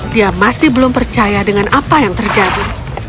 dia masih belum percaya dengan apa yang terjadi